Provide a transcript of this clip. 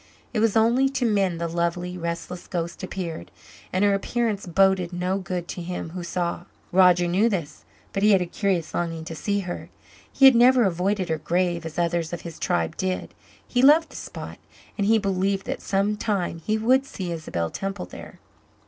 It was only to men the lovely, restless ghost appeared, and her appearance boded no good to him who saw. Roger knew this, but he had a curious longing to see her. He had never avoided her grave as others of his tribe did. He loved the spot, and he believed that some time he would see Isabel Temple there.